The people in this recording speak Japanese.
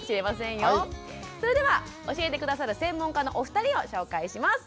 それでは教えて下さる専門家のお二人を紹介します。